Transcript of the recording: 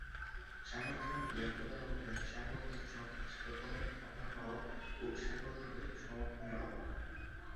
সাংগঠনিক ব্যর্থতার মধ্যে আছে সাংগঠনিক সংস্কৃতির সাথে পণ্যের খাপ না খাওয়া ও সাংগঠনিক সমর্থনের অভাব।